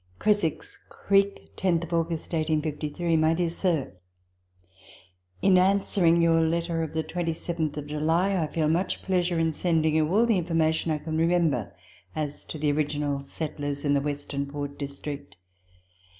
10. Creswick's Creek, 10th August 1853. MY DEAR SIR, In answering your letter of the 27th July, I feel much pleasure in sending you all the information I can remember as to the origi nal settlers in the Western Port District.